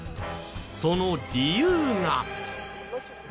その理由が。